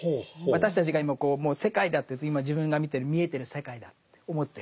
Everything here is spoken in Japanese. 私たちが今世界だといって今自分が見てる見えてる世界だと思ってる。